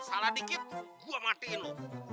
salah dikit gue matiin lu